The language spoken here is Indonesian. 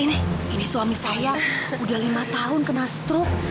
ah ini suami saya udah lima tahun kena strok